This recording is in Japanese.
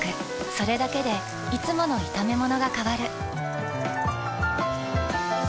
それだけでいつもの炒めものが変わる。